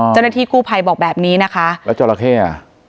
เจ้าหน้าที่กู้ภัยบอกแบบนี้นะคะแล้วจราเข้อ่ะ